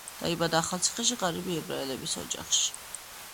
დაიბადა ახალციხეში, ღარიბი ებრაელების ოჯახში.